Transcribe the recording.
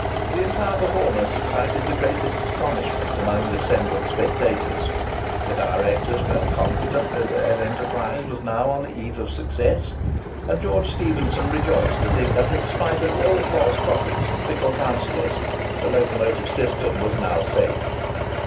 The entire performance excited the greatest astonishment amongst the assembled spectators; the directors felt confident that their enterprise was now on the eve of success; and George Stephenson rejoiced to think that in spite of all false prophets and fickle counsellors, the locomotive system was now safe.